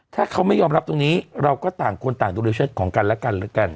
ถ้าเขาไม่ยอมรับตรงนี้เราก็ต่างคนต่างดุริเชิดของกันและกันแล้วกัน